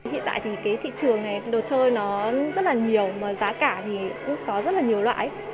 hiện tại thì cái thị trường này đồ chơi nó rất là nhiều mà giá cả thì cũng có rất là nhiều loại